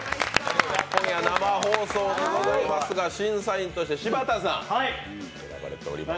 今夜生放送ですが審査員として柴田さん、選ばれておりますけど。